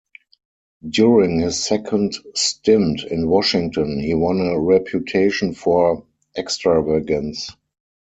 During his second stint in Washington, he won a reputation for extravagance.